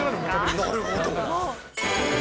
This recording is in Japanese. なるほど。